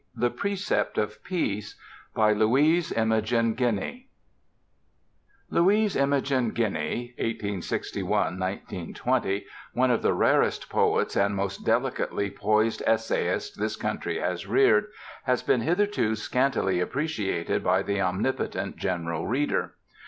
THE PRECEPT OF PEACE By LOUISE IMOGEN GUINEY Louise Imogen Guiney (1861 1920), one of the rarest poets and most delicately poised essayists this country has reared, has been hitherto scantily appreciated by the omnipotent General Reader.